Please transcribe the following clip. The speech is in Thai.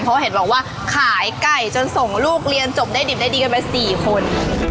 เพราะเห็นบอกว่าขายไก่จนส่งลูกเรียนจบได้ดิบได้ดีกันไป๔คน